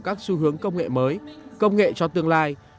các xu hướng công nghệ mới công nghệ cho tương lai